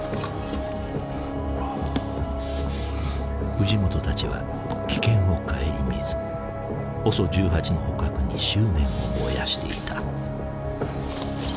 藤本たちは危険を顧みずＯＳＯ１８の捕獲に執念を燃やしていた。